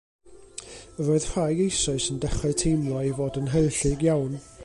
Yr oedd rhai eisoes yn dechrau teimlo ei fod yn haerllug iawn.